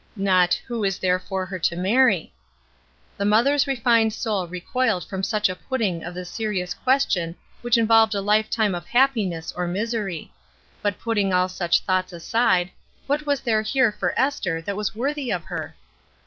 Not, who is there for her to marry? The mother's refined soul 302 ESTER RIED'S NAMESAKE recoiled from such a putting of the serious question which involved a lifetime of happiness or misery; but, putting all such thoughts aside, what was there here for Esther that was worthy of her?